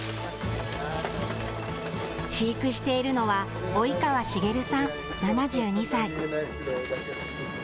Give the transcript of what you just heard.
飼育しているのは及川茂さん、７２歳。